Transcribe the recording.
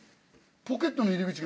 ポケットの入り口が。